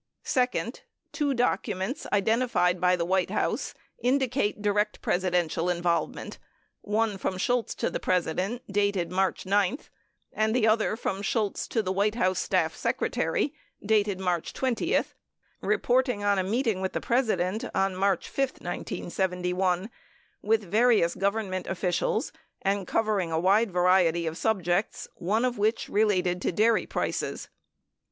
Second, two documents identified by the White House indicate direct Presidential involvement — one from Shultz to the President, dated March 9, and the other from Shultz to the White House staff secretary, dated March 20, reporting on a meeting with the President of March 5, 1971 with various government officials and covering a wide variety of subjects, one of which related to dairy prices.